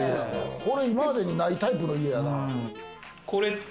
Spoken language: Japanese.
今までにないタイプの家やな。